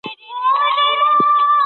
که شفافیت وي، اعتماد لوړېږي.